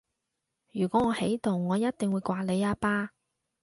如果我喺度我一定會摑你一巴